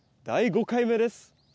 第５回目です。